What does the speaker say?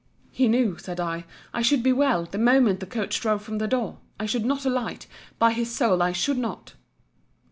He knew, said I, I should be well, the moment the coach drove from the door. I should not alight. By his soul, I should not.